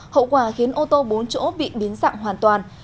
hậu quả khiến ô tô bốn chỗ bị biến dạng hoàn toàn